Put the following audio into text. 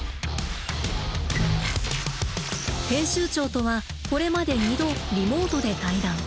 編集長とはこれまで２度リモートで対談。